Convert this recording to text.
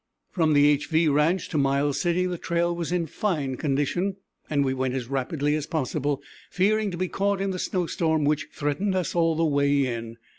From the =HV= ranch to Miles City the trail was in fine condition, and we went in as rapidly as possible, fearing to be caught in the snow storm which threatened us all the way in.